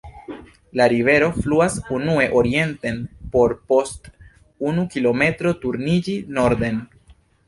La rivero fluas unue orienten por post unu kilometro turniĝi norden.